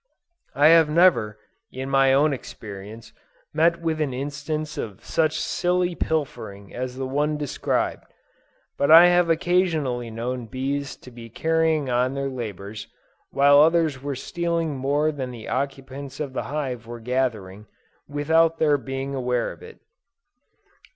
I have never, in my own experience, met with an instance of such silly pilfering as the one described; but I have occasionally known bees to be carrying on their labors, while others were stealing more than the occupants of the hive were gathering, without their being aware of it.